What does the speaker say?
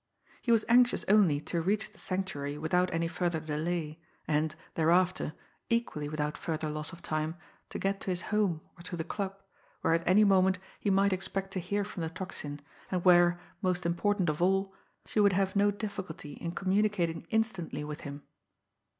He was anxious only to reach the Sanctuary without any further delay, and, thereafter, equally without further loss of time, to get to his home or to the club, where at any moment he might expect to hear from the Tocsin, and where, most important of all, she would bare no difficulty in communicating instantly with him.